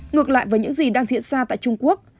ngược lại với những gì đang diễn ra tại trung quốc